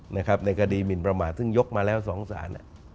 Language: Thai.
ในคดีหมินประมาทซึ่งยกมาแล้ว๒สาร